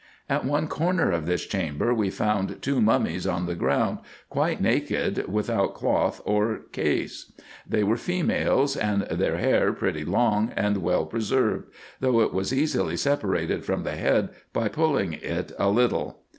At one corner of this chamber we found two mummies on the ground quite naked, without cloth or case. They were females, and their hair pretty long, and well preserved, though it was easily separated from the head by pulling it a little.